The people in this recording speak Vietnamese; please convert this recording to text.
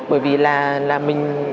bởi vì là mình